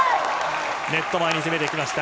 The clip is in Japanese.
ネット前に攻めてきました。